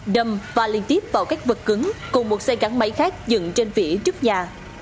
đâm và liên tiếp vào các vật cứng cùng một xe gắn máy khác dựng trên vỉa trước nhà